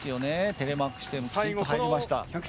テレマーク姿勢もきちんと入りました。